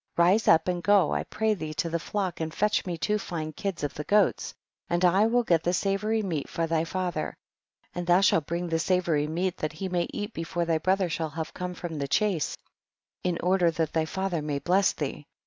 5. Rise up and go, I pray thee, to the flock and fetch me two fine kids of the goats, and I will get the sa vory meat for thy father, and thou shalt bring the savory meat that he may eat before thy brother shall have come from the chase, in order that thy father may bless thee.